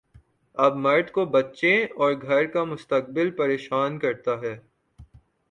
اب مرد کو بچے اور گھر کا مستقبل پریشان کرتا ہے۔